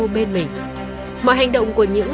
bên mình mọi hành động của những